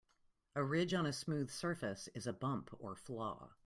A ridge on a smooth surface is a bump or flaw.